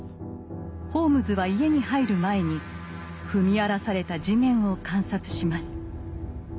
ホームズは家に入る前に踏み荒らされた地面を観察します。